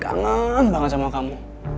kangen banget sama kamu